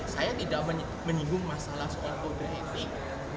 saya tidak menyinggung masalah soal kode etik